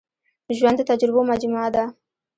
ژوند د تجربو مجموعه ده.